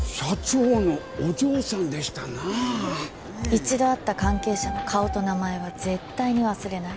１度会った関係者の顔と名前は絶対に忘れない。